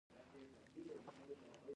د افغانستان په منظره کې هرات ښکاره دی.